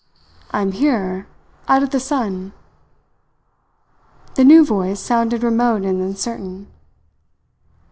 "I am here out of the sun." The new voice sounded remote and uncertain.